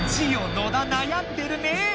野田なやんでるね。